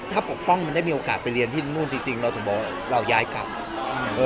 ถ้าปกป้องมันได้มีโอกาสไปเรียนที่นู่นจริงจริงเราถึงบอกว่าเราย้ายกลับ